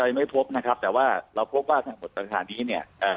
เรายังไม่พบนะครับแต่ว่าเราพบว่าทั้งหมดต่างนี้เนี่ยเอ่อ